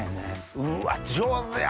うわ上手や！